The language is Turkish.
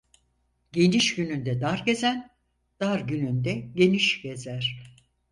Geniş günün de dar gezen, dar günün de geniş gezer.